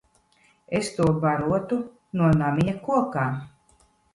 Es to barotu no namiņa kokā.